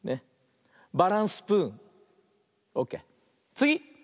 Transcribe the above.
つぎ！